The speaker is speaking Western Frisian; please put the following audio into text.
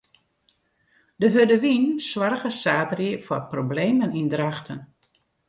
De hurde wyn soarge saterdei foar problemen yn Drachten.